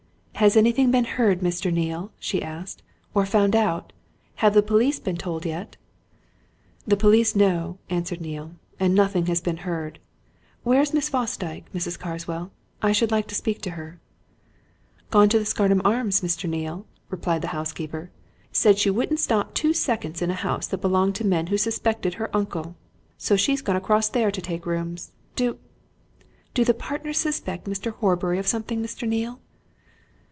"Has anything been heard, Mr. Neale?" she asked. "Or found out? Have the police been told yet?" "The police know," answered Neale. "And nothing has been heard. Where is Miss Fosdyke, Mrs. Carswell? I should like to speak to her." "Gone to the Scarnham Arms, Mr. Neale," replied the housekeeper. "She wouldn't stay here, though her room was all ready for her. Said she wouldn't stop two seconds in a house that belonged to men who suspected her uncle! So she's gone across there to take rooms. Do do the partners suspect Mr. Horbury of something, Mr. Neale?"